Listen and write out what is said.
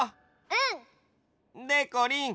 うん！でこりん